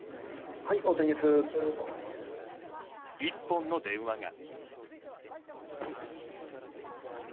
１本の電話が。